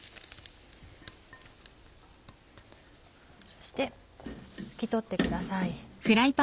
そして拭き取ってください。